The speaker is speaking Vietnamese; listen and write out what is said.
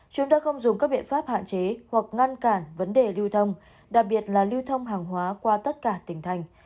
chúng ta không dùng các biện pháp hạn chế hoặc ngăn cản vấn đề lưu thông đặc biệt là lưu thông hàng hóa qua tất cả tỉnh thành